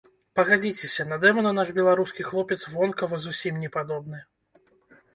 Пагадзіцеся, на дэмана наш беларускі хлопец вонкава зусім не падобны.